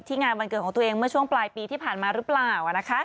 งานวันเกิดของตัวเองเมื่อช่วงปลายปีที่ผ่านมาหรือเปล่า